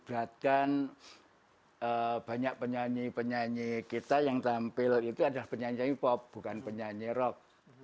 beratkan banyak penyanyi penyanyi kita yang tampil itu adalah penyanyi k pop bukan penyanyi rock